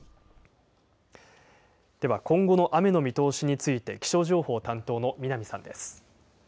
では今後の雨の見通しについて、気象情報担当の南さんです。